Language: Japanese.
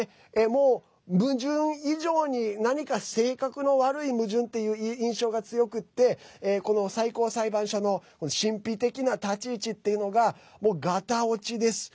もう、矛盾以上に何か性格の悪い矛盾っていう印象が強くてこの最高裁判所の神秘的な立ち位置っていうのがもうガタ落ちです。